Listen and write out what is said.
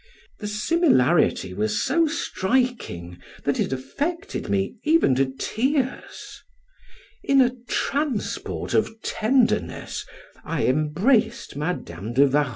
The similarity was so striking that it affected me even to tears: in a transport of tenderness I embraced Madam de Warrens.